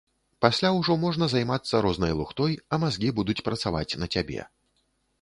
Пасля ўжо можна займацца рознай лухтой, а мазгі будуць працаваць на цябе.